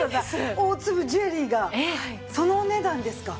大粒ジュエリーがそのお値段ですか。